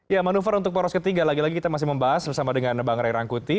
ya manuver untuk poros ketiga lagi lagi kita masih membahas bersama dengan bang ray rangkuti